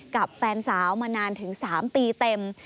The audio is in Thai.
กับแฟนสาวมานานถึง๓ปีเต็ม